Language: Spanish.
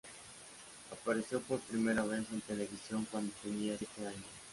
Apareció por primera vez en televisión cuando tenía siete años.